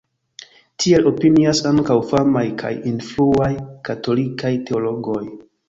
Tiel opinias ankaŭ famaj kaj influaj katolikaj teologoj.